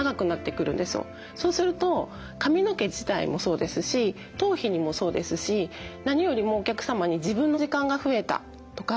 そうすると髪の毛自体もそうですし頭皮にもそうですし何よりもお客様に自分の時間が増えたとか。